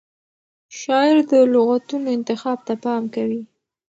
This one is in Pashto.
شاعر د لغتونو انتخاب ته پام کوي.